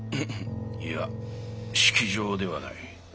いや色情ではない。